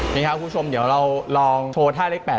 นี่ครับคุณผู้ชมเดี๋ยวเราลองโชว์ท่าเลข๘